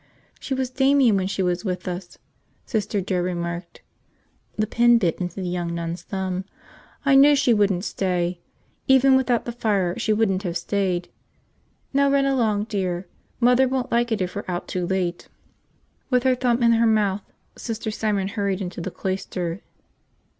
"She was Damian when she was with us," Sister Joe remarked. The pin bit into the young nun's thumb. "I knew she wouldn't stay. Even without the fire, she wouldn't have stayed. Now run along, dear. Mother won't like it if we're out too late." With her thumb in her mouth, Sister Simon hurried into the cloister.